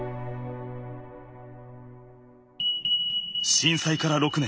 震災から６年。